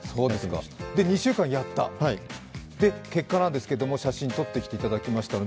２週間やった、結果、写真を撮ってきていただきました。